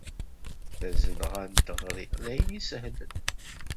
Tazelɣa n teɣri d ayen i sehlen.